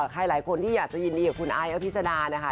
ใครหลายคนที่อยากจะยินดีกับคุณไอ้อภิษดานะคะ